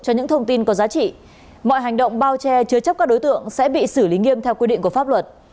cho những thông tin có giá trị mọi hành động bao che chứa chấp các đối tượng sẽ bị xử lý nghiêm theo quy định của pháp luật